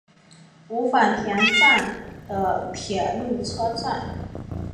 五反田站的铁路车站。